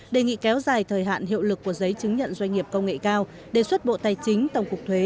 đề nghị kéo dài thời hạn hiệu lực của giấy chứng nhận doanh nghiệp công nghệ cao đề xuất bộ tài chính tổng cục thuế